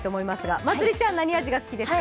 まつりちゃん、何味が好きですか？